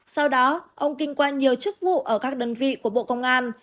sau đó ông kinh quan nhiều chức vụ ở các đơn vị của bộ công an